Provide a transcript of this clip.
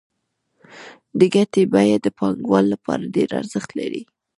د ګټې بیه د پانګوال لپاره ډېر ارزښت لري